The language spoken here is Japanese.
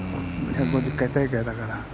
１５０回大会だから。